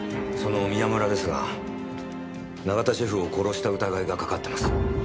その宮村ですが永田シェフを殺した疑いがかかってます。